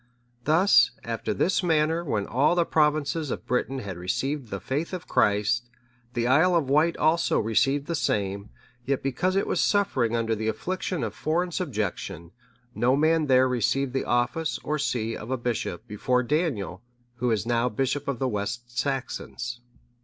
Thus, after this manner, when all the provinces of Britain had received the faith of Christ, the Isle of Wight also received the same; yet because it was suffering under the affliction of foreign subjection, no man there received the office or see of a bishop, before Daniel, who is now bishop of the West Saxons.